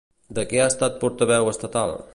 De què ha estat portaveu estatal?